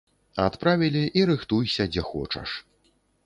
Адправілі, і рыхтуйся, дзе хочаш.